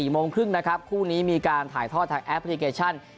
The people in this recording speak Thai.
โมงครึ่งนะครับคู่นี้มีการถ่ายทอดทางแอปพลิเคชัน